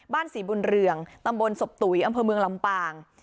ศรีบุญเรืองตำบลศพตุ๋ยอำเภอเมืองลำปาง